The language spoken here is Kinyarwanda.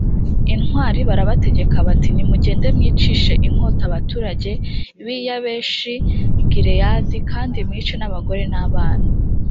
intwari barabategeka bati nimugende mwicishe inkota abaturage b i yabeshi gileyadi kandi mwice n abagore n abana